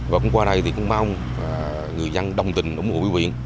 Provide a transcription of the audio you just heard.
và cũng qua đây thì cũng mong người dân đồng tình ủng hộ với quyền